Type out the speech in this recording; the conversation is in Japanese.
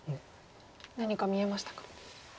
何か見えましたか。